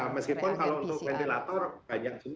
meskipun kalau untuk ventilator banyak juga